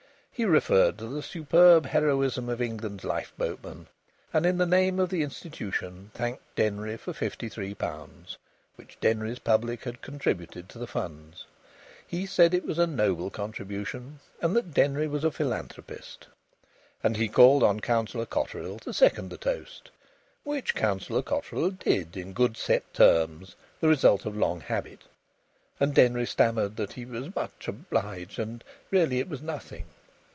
He referred to the superb heroism of England's lifeboatmen, and in the name of the Institution thanked Denry for the fifty three pounds which Denry's public had contributed to the funds. He said it was a noble contribution and that Denry was a philanthropist. And he called on Councillor Cotterill to second the toast. Which Councillor Cotterill did, in good set terms, the result of long habit. And Denry stammered that he was much obliged, and that really it was nothing.